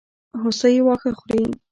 هوسۍ واښه خوري.